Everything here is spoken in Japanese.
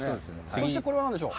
そして、これは何でしょう？